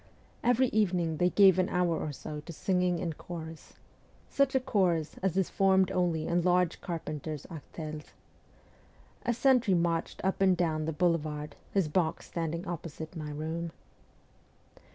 Every evening they gave an hour or so to singing in chorus such a chorus as is formed only in large carpenters' artels. A sentry marched up and down the boulevard, his box standing opposite my room.